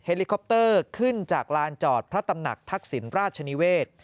ลิคอปเตอร์ขึ้นจากลานจอดพระตำหนักทักษิณราชนิเวศ